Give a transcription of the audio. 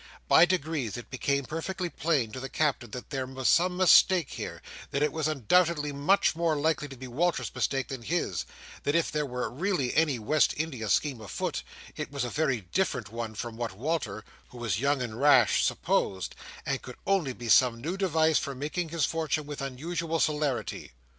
By degrees it became perfectly plain to the Captain that there was some mistake here; that it was undoubtedly much more likely to be Walter's mistake than his; that if there were really any West India scheme afoot, it was a very different one from what Walter, who was young and rash, supposed; and could only be some new device for making his fortune with unusual celerity.